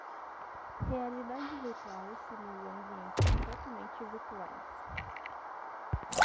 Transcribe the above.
Virtual Reality (VR) simula ambientes completamente virtuais.